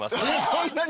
そんなに？